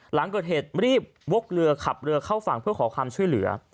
หลังเกิดเหตุรีบวกเรือขับเรือเข้าฝั่งเพื่อขอความช่วยเหลือ